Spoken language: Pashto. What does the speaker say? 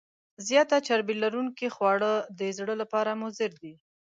زیات چربي لرونکي خواړه د زړه لپاره مضر دي.